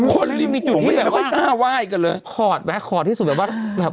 คนลิฟต์มีจุดไม่ได้ว่าคอดแม่คอดที่สุดแบบว่า